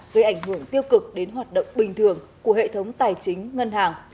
gây ảnh hưởng tiêu cực đến hoạt động bình thường của hệ thống tài chính ngân hàng